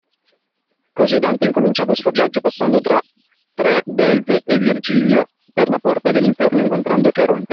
Così Dante incominciava il suo viaggio passando tra tre belve e Virgilio, per la porta dell’inferno, incontrando Caronte.